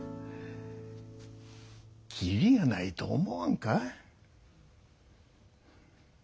切りがないと思わんか？